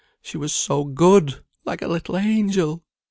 She was so good like a little angel.